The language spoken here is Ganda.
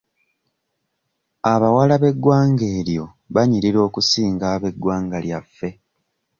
Abawala b'eggwanga eryo banyirira okusinga ab'eggwanga lyaffe.